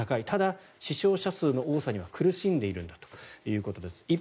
ただ死傷者数の多さには苦しんでるんだということです。